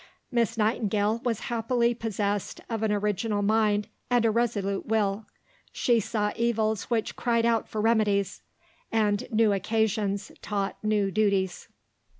Miss Nightingale was happily possessed of an original mind and a resolute will. She saw evils which cried out for remedies; and new occasions taught new duties.